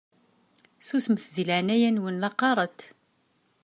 Susmet deg leɛnaya-nwen la qqaṛent!